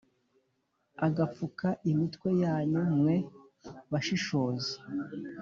agapfuka imitwe yanyu, mwe bashishozi.